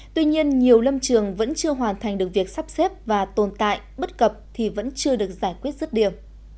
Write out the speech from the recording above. tuy nhiên nhiều lâm trường vẫn chưa hoàn thành được việc sắp xếp và tồn tại bất cập thì vẫn chưa được giải quyết rứt điểm